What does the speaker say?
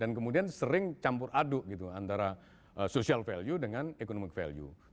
dan kemudian sering campur aduk gitu antara social value dengan economic value